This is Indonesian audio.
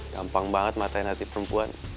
gampang banget matain hati perempuan